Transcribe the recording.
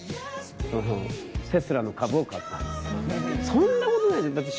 そんなことないですよだって